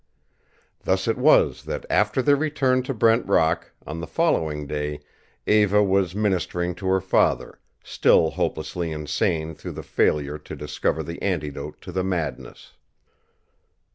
Thus it was that after their return to Brent Rock, on the following day Eva was ministering to her father, still hopelessly insane through the failure to discover the antidote to the madness.